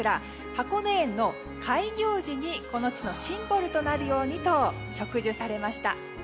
箱根園の開業時にこの地のシンボルとなるようにと植樹されました。